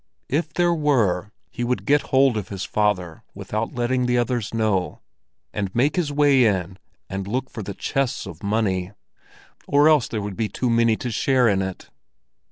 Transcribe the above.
If there were, he would get hold of his father without letting the others know, and make his way in and look for the chests of money; or else there would be too many to share in it.